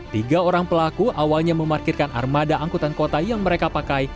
tiga orang pelaku awalnya memarkirkan armada angkutan kota yang mereka pakai